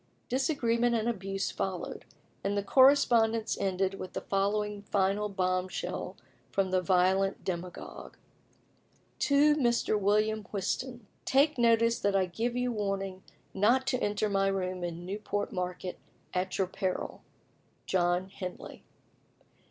Disagreement and abuse followed, and the correspondence ended with the following final bomb shell from the violent demagogue: "To Mr. WILLIAM WHISTON, "Take notice that I give you warning not to enter my room in Newport Market, at your peril. "JOHN HENLEY."